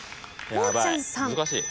こうちゃんさん。